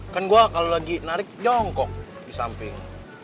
kan gue kalau lagi narik jongkok di samping